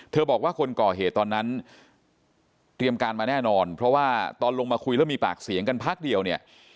บอกว่าคนก่อเหตุตอนนั้นเตรียมการมาแน่นอนเพราะว่าตอนลงมาคุยแล้วมีปากเสียงกันพักเดียวเนี่ย